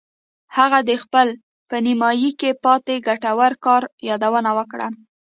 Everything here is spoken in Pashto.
هغه د خپل په نیمایي کې پاتې ګټور کار یادونه وکړه